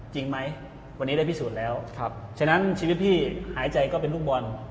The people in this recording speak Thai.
จริงไหมวันนี้ได้พิสูจน์แล้วฉะนั้นชีวิตพี่หายใจก็เป็นลูกบอล